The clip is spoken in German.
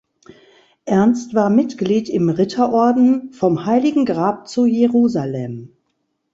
Ernst war Mitglied im Ritterorden vom Heiligen Grab zu Jerusalem.